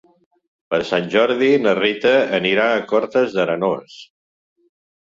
Per Sant Jordi na Rita anirà a Cortes d'Arenós.